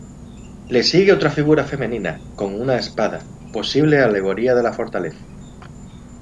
Le sigue otra figura femenina con una espada, posible alegoría de la Fortaleza.